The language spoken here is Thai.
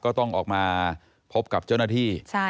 ก็ต้องออกมาพบกับเจ้าหน้าที่